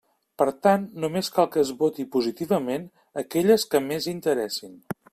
Per tant, només cal que es voti positivament aquelles que més interessin.